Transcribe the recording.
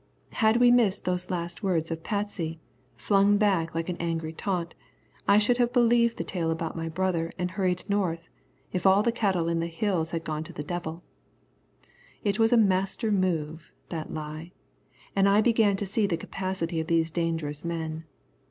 Had we missed those last words of Patsy, flung back like an angry taunt, I should have believed the tale about my brother and hurried north, if all the cattle in the Hills had gone to the devil. It was a master move, that lie, and I began to see the capacity of these dangerous men.